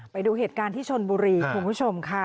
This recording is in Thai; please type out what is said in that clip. ไปดูเหตุการณ์ที่ชนบุรีคุณผู้ชมค่ะ